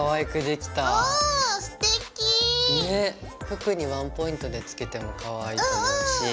服にワンポイントで付けてもかわいいと思うし。